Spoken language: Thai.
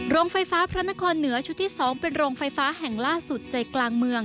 โรงไฟฟ้าพระนครเหนือชุดที่๒เป็นโรงไฟฟ้าแห่งล่าสุดใจกลางเมือง